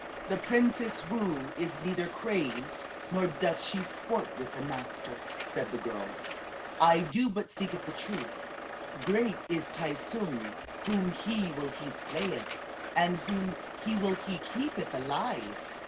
"The Princess Woo is neither crazed nor doth she sport with the master," said the girl. "I do but speak the truth. Great is Tai tsung. Whom he will he slayeth, and whom he will he keepeth alive."